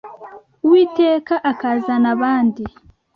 Uwiteka akazana abandi